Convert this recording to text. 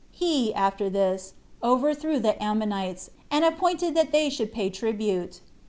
He, after this, overthrew the Ammonites, and appointed that they should pay tribute.